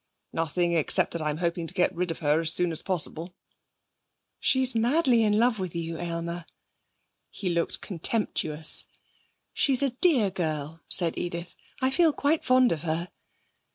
'Nothing, except that I'm hoping to get rid of her as soon as possible.' 'She's madly in love with you, Aylmer.' He looked contemptuous. 'She's a dear girl,' said Edith. 'I feel quite fond of her.'